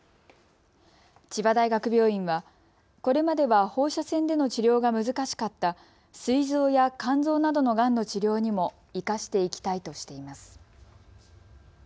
千葉大学病院はこれまでは放射線での治療が難しかったすい臓や肝臓などのがんの治療にも生かしていきたいとしています。